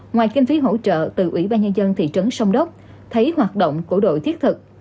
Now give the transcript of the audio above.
ngoài kinh phí hỗ trợ từ ủy ban nhân dân thị trấn sông đốc thấy hoạt động của đội thiết thực